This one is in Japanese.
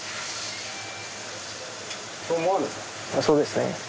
そうですね。